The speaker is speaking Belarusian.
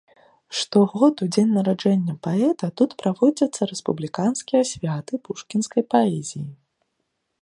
Штогод у дзень нараджэння паэта тут праводзяцца рэспубліканскія святы пушкінскай паэзіі.